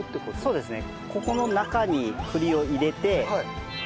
そうですね。